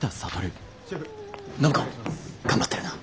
暢子頑張ってるな。